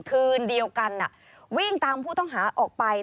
คืนเดียวกันวิ่งตามผู้ต้องหาออกไป